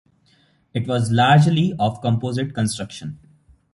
It was largely of composite construction.